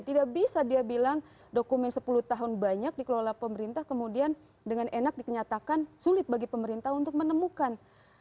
tidak bisa dia bilang dokumen sepuluh tahun banyak dikelola pemerintah kemudian dengan enak dikenyatakan sulit bagi pemerintah untuk menemukan